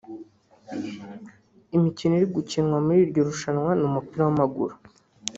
Imikino iri gukinwa muri iryo rushanwa ni umupira w’amaguru